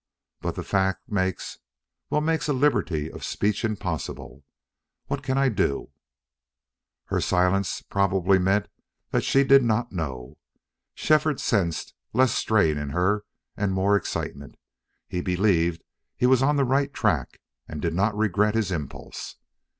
But the fact makes well, makes a liberty of speech impossible. What can I do?" Her silence probably meant that she did not know. Shefford sensed less strain in her and more excitement. He believed he was on the right track and did not regret his impulse.